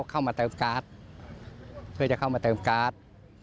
ผมมาเพื่อจะเข้ามาเติมการ์ด